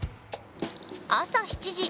朝７時。